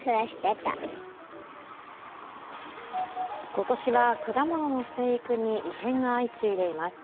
今年は果物の生育に異変が相次いでいます。